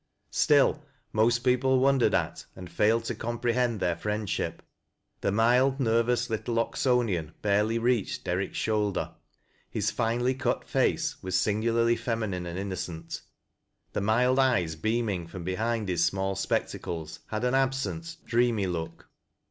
Still most peoj)lc wondered at and failed to comprehend their friendship. The mild, nervous little Oxonian barely reached Derrick's shoulder; his finely cut face was singularly feminine and innocent ; the mild eyes beaming from behind his small Bpectacles had an absent, dreamy look.